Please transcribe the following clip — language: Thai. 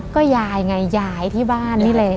ก็ยายไงยายที่บ้านนี่เลย